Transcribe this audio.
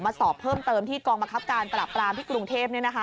สอบเพิ่มเติมที่กองบังคับการปราบปรามที่กรุงเทพ